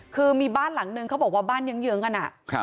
คือมีบ้านหลังนึงเขาบอกว่าบ้านเยื้องกัน